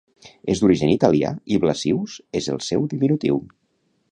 És d'origen italià i Blasius és el seu diminutiu.